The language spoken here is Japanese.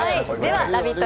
ラヴィット！